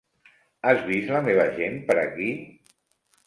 Has vist la meva gent, per aquí?